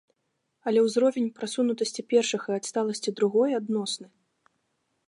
Але ўзровень прасунутасці першых і адсталасці другой адносны.